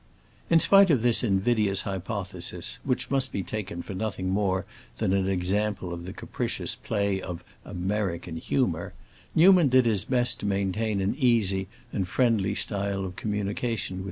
In spite of this invidious hypothesis, which must be taken for nothing more than an example of the capricious play of "American humor," Newman did his best to maintain an easy and friendly style of communication with M.